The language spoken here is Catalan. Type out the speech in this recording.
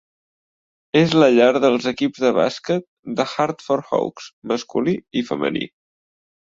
És la llar dels equips de bàsquet de Hartford Hawks masculí i femení.